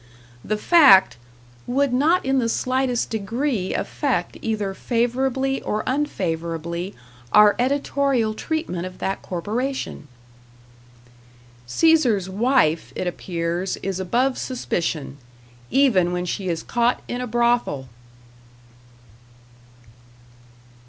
The fact "would not in the slightest degree affect either favorably or unfavorably our editorial treatment of that corporation." Caesar's wife, it appears is above suspicion even when she is caught in a brothel!